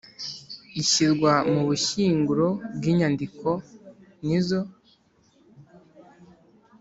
izishyirwa mu bushyinguro bw, inyandiko nizo